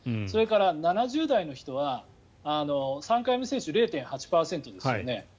それから７０代の人は３回目接種、０．８％ですよね。